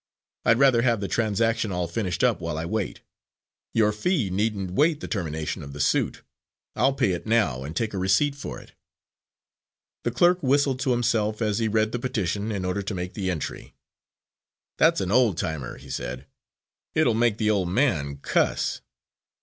I'd rather have the transaction all finished up while I wait. Your fee needn't wait the termination of the suit. I'll pay it now and take a receipt for it." The clerk whistled to himself as he read the petition in order to make the entry. "That's an old timer," he said. "It'll make the old man cuss."